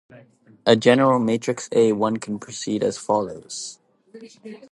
For a general matrix "A", one can proceed as follows.